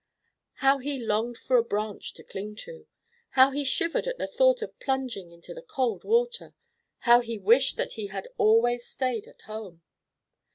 How he longed for a branch to cling to! How he shivered at the thought of plunging into the cold water! How he wished that he had always stayed at home!